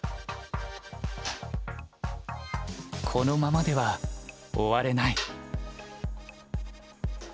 このままでは終われない。